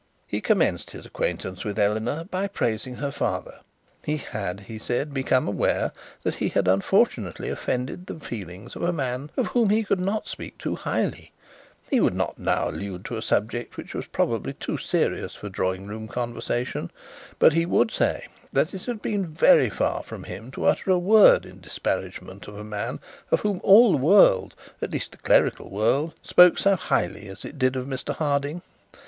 He commenced his acquaintance with Eleanor by praising her father. He had, he said, become aware that he had unfortunately offended the feelings of a man of whom he could not speak too highly; he would not now allude to a subject which was probably too serious for drawing room conversation, but he would say, that it had been very far from him to utter a word in disparagement of a man, of whom all the world, at least the clerical world, spoke of so highly as it did of Mr Harding.